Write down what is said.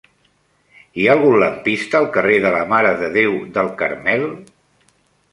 Hi ha algun lampista al carrer de la Mare de Déu del Carmel?